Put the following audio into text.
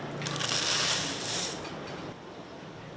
yang baru lahir di dalam kelapa